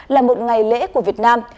là một ngày lễ của việt nam